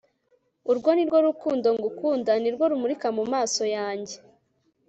urwo nirwo rukundo ngukunda nirwo rumurika mu maso yanjye